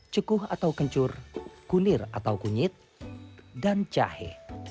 cukuh atau kencur kunir atau kunyit dan cahe